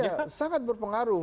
oh iya sangat berpengaruh